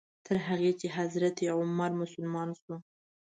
تر هغې چې حضرت عمر مسلمان شو.